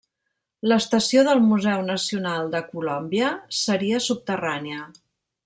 L'estació del Museu Nacional De Colòmbia seria subterrània.